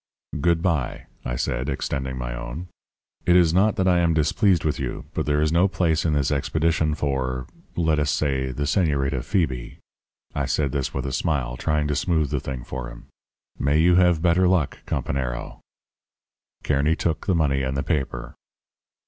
"'Good bye,' I said, extending my own. 'It is not that I am displeased with you; but there is no place in this expedition for let us say, the Señorita Phoebe.' I said this with a smile, trying to smooth the thing for him. 'May you have better luck, companero.' "Kearny took the money and the paper.